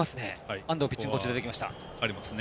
安藤ピッチングコーチ出てきました。